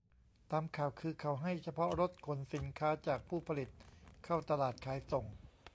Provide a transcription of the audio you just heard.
ตามข่าวคือ เขาให้เฉพาะรถขนสินค้าจากผู้ผลิตเข้าตลาดขายส่ง